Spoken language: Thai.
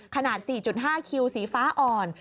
ขนาด๔๕คิวสีฟ้าอ่อน